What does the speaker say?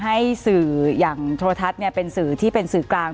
ให้สื่ออย่างโทรทัศน์เป็นสื่อที่เป็นสื่อกลาง